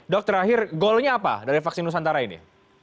dok terakhir goalnya apa dari vaksin nusantara ini